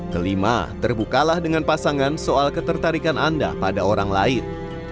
kelima terbukalah dengan pasangan soal ketertarikan anda pada orang lain